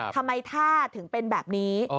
ทำไมท่าถึงเป็นแบบนี้